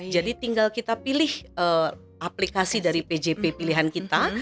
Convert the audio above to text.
jadi tinggal kita pilih aplikasi dari pjp pilihan kita